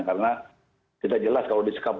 karena kita jelas kalau disekap